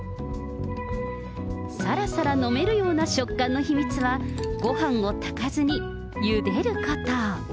さらさら飲めるような食感の秘密は、ごはんを炊かずにゆでること。